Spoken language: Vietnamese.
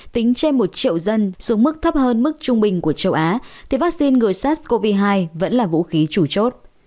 tính trên một triệu dân xuống mức thấp hơn mức trung bình của châu á thì vaccine ngừa sars cov hai vẫn là vũ khí chủ chốt